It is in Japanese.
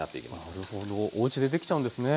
なるほどおうちでできちゃうんですね。